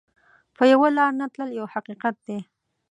پر یوه لار نه تلل یو حقیقت دی.